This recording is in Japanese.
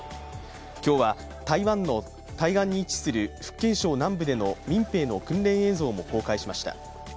今日は、台湾の対岸に位置する福建省南部での民兵の訓練映像も公開しました。